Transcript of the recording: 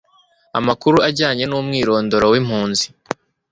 amakuru ajyanye n'umwirondoro w'impunzi